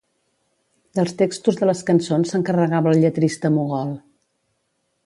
Dels textos de les cançons s'encarregava el lletrista Mogol.